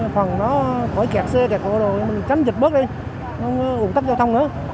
phần đó khỏi kẹt xe kẹt quà đồ mình tránh dịch bớt đi không ủng tắc giao thông nữa